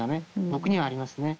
僕にはありますね。